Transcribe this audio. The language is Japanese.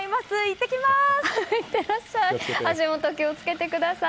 行ってきます！